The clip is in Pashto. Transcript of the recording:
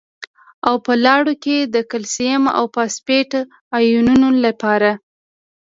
او په لاړو کې د کلسیم او فاسفیټ ایونونو لپاره